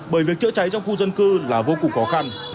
bởi việc chữa cháy trong khu dân cư là vô cùng khó khăn